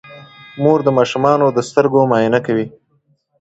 مور د ماشومانو د سترګو معاینه کوي.